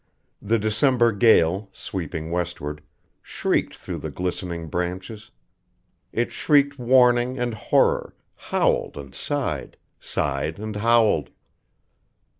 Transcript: The December gale, sweeping westward, shrieked through the glistening branches. It shrieked warning and horror, howled and sighed, sighed and howled.